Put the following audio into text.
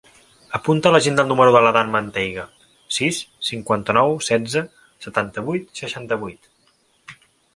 Apunta a l'agenda el número de l'Adán Manteiga: sis, cinquanta-nou, setze, setanta-vuit, seixanta-vuit.